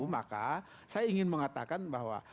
maka saya ingin mengatakan bahwa